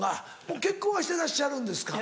もう結婚はしてらっしゃるんですか？